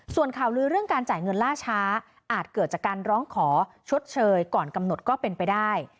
ส่วนข่าวลือเรื่องการจ่ายเงินล่าช้าอาจเกิดจากการร้องขอชดเชยก่อนกำหนดก็เป็นไปได้